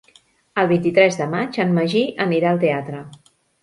El vint-i-tres de maig en Magí anirà al teatre.